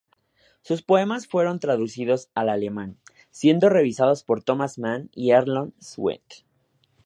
Sus poemas fueron traducidos al alemán, siendo revisados por Thomas Mann y Arnold Zweig.